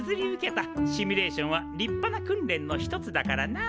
シミュレーションは立派な訓練の一つだからな！